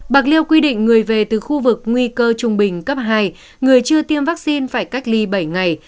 bạc liêu quy định người về từ khu vực nguy cơ trung bình cấp hai người chưa tiêm vaccine phải cách ly bảy ngày